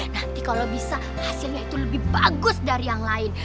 nanti kalau bisa hasilnya itu lebih bagus dari yang lain